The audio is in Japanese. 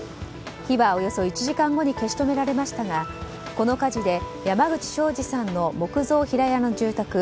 火はおよそ１時間後に消し止められましたがこの火事で山口章二さんの木造平屋の住宅